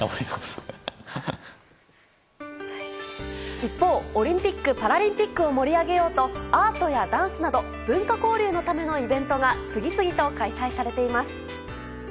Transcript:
一方、オリンピック・パラリンピックを盛り上げようとアートやダンスなど文化交流のためのイベントが次々と開催されています。